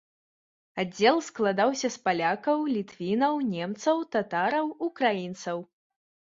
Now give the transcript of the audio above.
Аддзел складаўся з палякаў, літвінаў, немцаў, татараў, украінцаў.